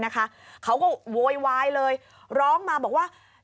เขาก็โวยวายเลยร้องมาบอกว่า